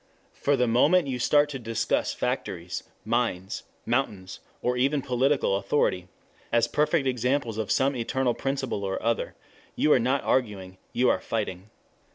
For the moment you start to discuss factories, mines, mountains, or even political authority, as perfect examples of some eternal principle or other, you are not arguing, you are fighting.